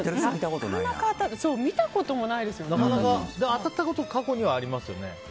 当たったこと過去にはありますよね。